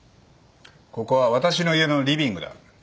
ここは私の家のリビングだ。